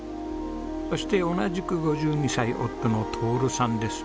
そして同じく５２歳夫の徹さんです。